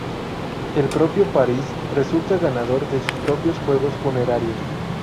El propio Paris resulta ganador de sus propios juegos funerarios.